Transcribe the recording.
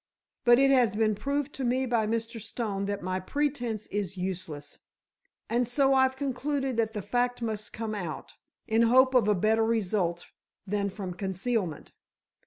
But it has been proved to me by Mr. Stone that my pretence is useless, and so I've concluded that the fact must come out, in hope of a better result than from concealment.